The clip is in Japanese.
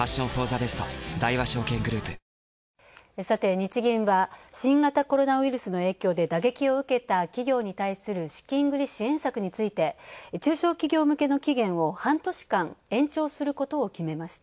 日銀は新型コロナウイルスの影響で打撃を受けた企業に対する資金繰り支援策について、中小企業向けの期限を半年間延長することを決めました。